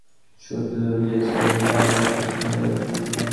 শুধু যে চিনলেন তাই নয়, উচ্ছ্বসিত হয়ে উঠলেন।